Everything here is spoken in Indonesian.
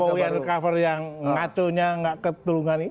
jokowi undercover yang ngaco nya gak keturunan ini